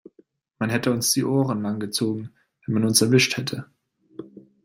Man hätte uns die Ohren lang gezogen, wenn man uns erwischt hätte.